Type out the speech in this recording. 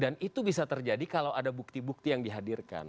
dan itu bisa terjadi kalau ada bukti bukti yang dihadirkan